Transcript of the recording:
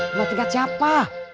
rumah tingkat siapa